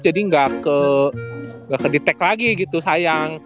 jadi nggak ke detect lagi gitu sayang